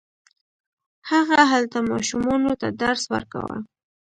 هغه هلته ماشومانو ته درس ورکاوه.